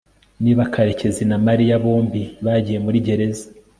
niba karekezi na mariya bombi bagiye muri gereza